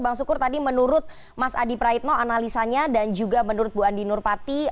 bang sukur tadi menurut mas adi praitno analisanya dan juga menurut bu andi nurpati